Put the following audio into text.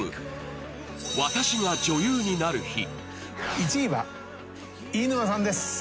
１位は飯沼さんです。